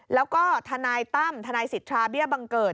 แล้วก็ทนายตั้มทนายสิทธาเบี้ยบังเกิด